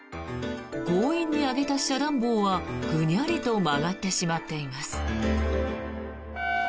強引に上げた遮断棒はぐにゃりと曲がってしまっています。